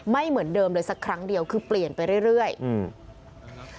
ไม่เหมือนเดิมเลยสักครั้งเดียวคือเปลี่ยนไปเรื่อยเรื่อยอืม